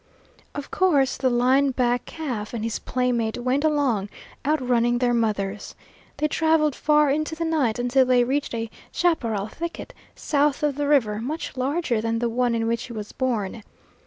Of course the line back calf and his playmate went along, outrunning their mothers. They traveled far into the night until they reached a chaparral thicket, south of the river, much larger than the one in which he was born.